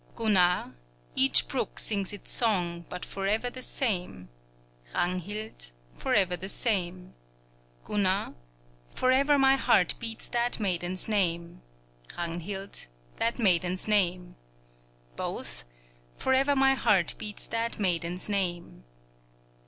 Gunnar Each brook sings its song, but forever the same, Ragnhild Forever the same; Gunnar Forever my heart beats that maiden's name, Ragnhild That maiden's name; Both Forever my heart beats that maiden's name.